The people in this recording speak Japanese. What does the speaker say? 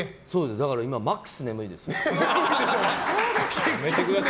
だから今マックス眠いです。